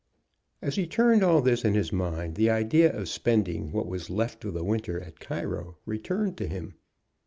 As he turned all this in his mind, the idea of spending what was left of the winter at Cairo returned to him.